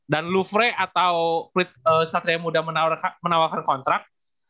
dan louvre atau satria muda menawarkan kontrak